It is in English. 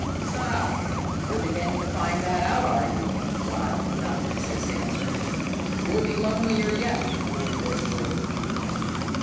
"Ah, you're beginning to find that out, are you?" Dodd could not resist answering. "You'll be lonelier yet before you're through."